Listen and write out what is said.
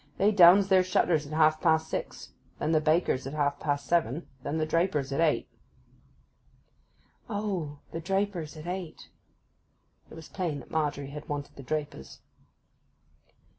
They downs their shutters at half past six, then the baker's at half past seven, then the draper's at eight.' 'O, the draper's at eight.' It was plain that Margery had wanted the draper's.